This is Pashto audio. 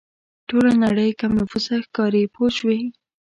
ټوله نړۍ کم نفوسه ښکاري پوه شوې!.